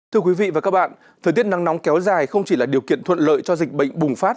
thưa quý vị và các bạn thời tiết nắng nóng kéo dài không chỉ là điều kiện thuận lợi cho dịch bệnh bùng phát